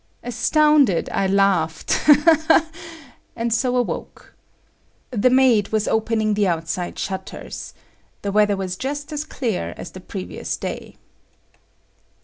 Astounded, I laughed "Ha, ha, ha!"—and so awoke. The maid was opening the outside shutters. The weather was just as clear as the previous day.